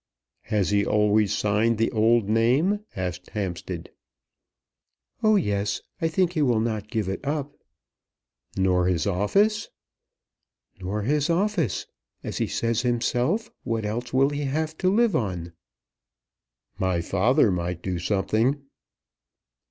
"Has he always signed the old name?" asked Hampstead. "Oh yes. I think he will not give it up." "Nor his office?" "Nor his office. As he says himself, what else will he have to live on?" "My father might do something."